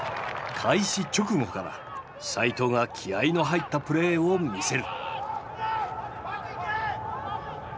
開始直後から齋藤が気合いの入ったプレーを見せる。